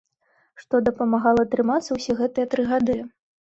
Што дапамагала трымацца ўсе гэтыя тры гады?